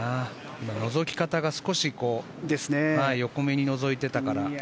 今、のぞき方が少し横目にのぞいていたから。